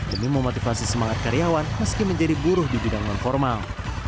demi memotivasi semangat karyawan meski menjadi buruh di bidang non formal